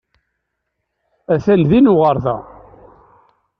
Atan din uɣerda.